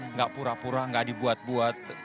enggak pura pura enggak dibuat buat